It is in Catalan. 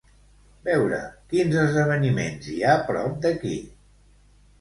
Veure quins esdeveniments hi ha prop d'aquí.